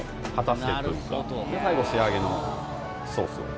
最後仕上げのソースを。